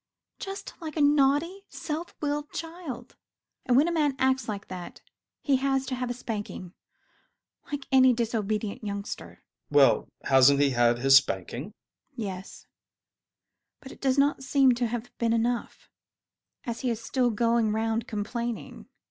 Just like a naughty, self willed child. And when a man acts like that he has to have a spanking, like any disobedient youngster. ADOLPHE. Well, hasn't he had his spanking? MME. CATHERINE. Yes, but it does not seem to have been enough, as he is still going around complaining.